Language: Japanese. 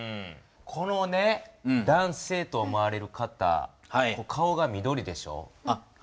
この男性と思われる方顔が緑でしょ。